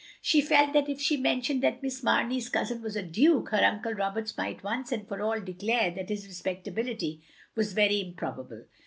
She felt that if she mentioned that Miss Mar ney's cousin was a duke, her Uncle Roberts might once and for all, declare that his respectability was very improbable.